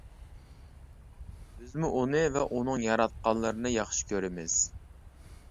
بىزمۇ ئۇنى ۋە ئۇنىڭ ياراتقانلىرىنى ياخشى كۆرىمىز.